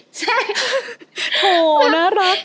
ใช่